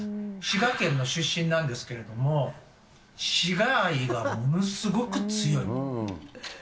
滋賀県の出身なんですけれども、滋賀愛がものすごく強い。